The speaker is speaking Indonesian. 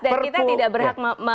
dan kita tidak berhak